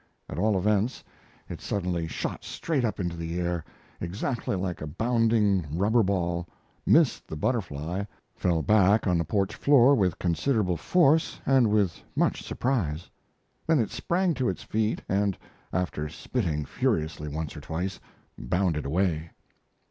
At all events, it suddenly shot straight up into the air, exactly like a bounding rubber ball, missed the butterfly, fell back on the porch floor with considerable force and with much surprise. Then it sprang to its feet, and, after spitting furiously once or twice, bounded away.